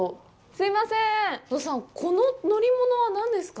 すいません、お父さん、この乗り物は何ですか。